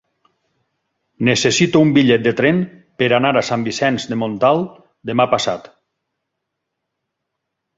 Necessito un bitllet de tren per anar a Sant Vicenç de Montalt demà passat.